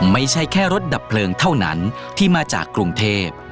ไม่ใช่แค่รถดับเพลิงเท่านั้นที่มาจากกรุงเทพ